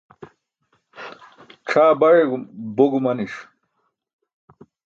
C̣ʰaa baye bo gumaniṣ